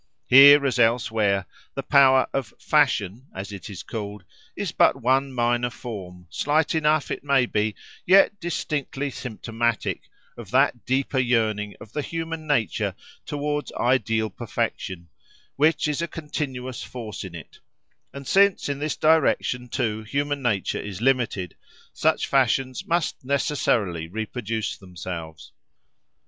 Here, as elsewhere, the power of "fashion," as it is called, is but one minor form, slight enough, it may be, yet distinctly symptomatic, of that deeper yearning of human nature towards ideal perfection, which is a continuous force in it; and since in this direction too human nature is limited, such fashions must necessarily reproduce themselves.